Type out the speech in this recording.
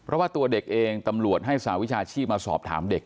เพราะว่าตัวเด็กเองตำรวจให้สหวิชาชีพมาสอบถามเด็ก